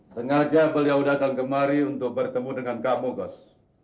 sengaja beliau datang kemari untuk bertemu dengan kamu gus